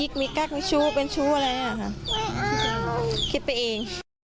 คิดไปต่อเอง